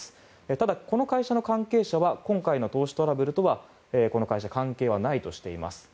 ただ、この会社の関係者は今回の投資トラブルとはこの会社関係はないとしています。